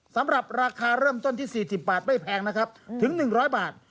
สำหรับราคาเริ่มต้นที่๔๐บาทไม่แพงนะครับถึง๑๐๐บาท